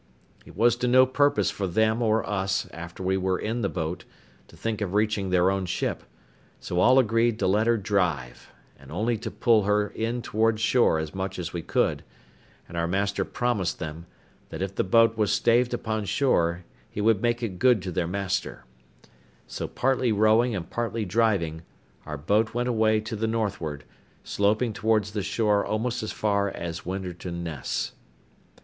It was to no purpose for them or us, after we were in the boat, to think of reaching their own ship; so all agreed to let her drive, and only to pull her in towards shore as much as we could; and our master promised them, that if the boat was staved upon shore, he would make it good to their master: so partly rowing and partly driving, our boat went away to the northward, sloping towards the shore almost as far as Winterton Ness.